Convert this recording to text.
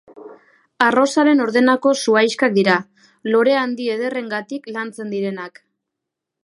Arrosaren ordenako zuhaixkak dira, lore handi ederrengatik lantzen direnak.